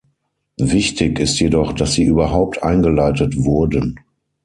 Wichtig ist jedoch, dass sie überhaupt eingeleitet wurden.